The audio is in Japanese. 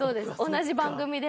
同じ番組でも。